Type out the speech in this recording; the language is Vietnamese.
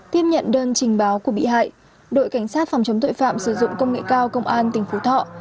tiếp nhận đơn trình báo của bị hại đội cảnh sát phòng chống tội phạm sử dụng công nghệ cao công an tỉnh phú thọ